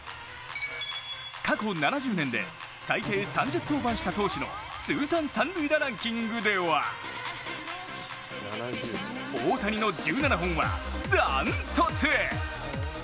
過去７０年で最低３０登板した投手の通算三塁打ランキングでは大谷の１７本はダントツ！